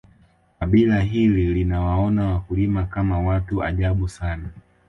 kabila hili linawaona wakulima Kama watu ajabu sana